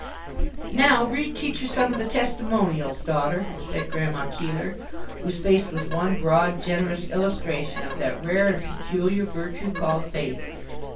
"Now, read teacher some of the testimonials, daughter," said Grandma Keeler, whose face was one broad, generous illustration of that rare and peculiar virtue called faith.